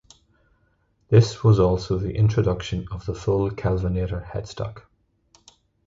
This was also the introduction of the "full kelvinator" headstock.